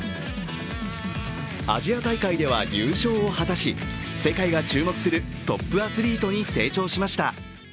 アジア大会では優勝を果たし、世界が注目するトップアスリートに成長しました。